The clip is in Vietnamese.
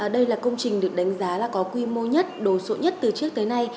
đây là công trình được đánh giá là có quy mô nhất đồ sộ nhất từ trước tới nay